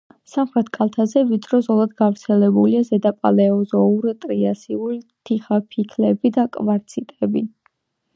სამხრეთ კალთაზე ვიწრო ზოლად გავრცელებულია ზედაპალეოზოურ-ტრიასული თიხაფიქლები და კვარციტები.